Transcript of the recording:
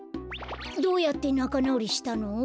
どうやってなかなおりしたの？